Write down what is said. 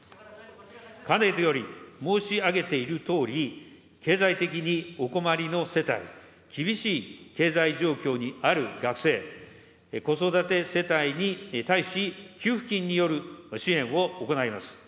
かねてより申し上げているとおり、経済的にお困りの世帯、厳しい経済状況にある学生、子育て世帯に対し、給付金による支援を行います。